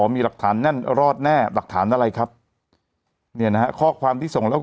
มีหลักฐานแน่นรอดแน่หลักฐานอะไรครับเนี่ยนะฮะข้อความที่ส่งแล้ว